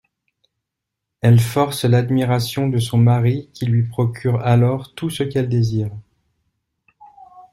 Elle force l'admiration de son mari qui lui procure alors tout ce qu'elle désire.